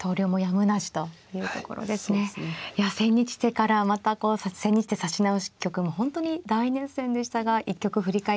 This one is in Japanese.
いや千日手からまたこう千日手指し直し局も本当に大熱戦でしたが一局を振り返っていかがでしたでしょうか。